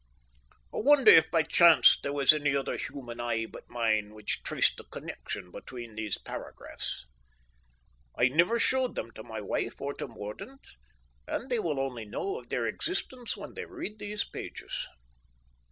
I wonder if by chance there was any other human eye but mine which traced a connection between these paragraphs. I never showed them to my wife or to Mordaunt, and they will only know of their existence when they read these pages.